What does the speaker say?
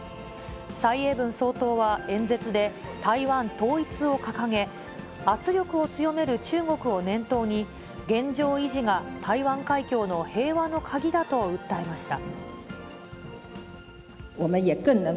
蔡英文総統は演説で、台湾統一を掲げ、圧力を強める中国を念頭に、現状維持が台湾海峡の平和の鍵だと訴えました。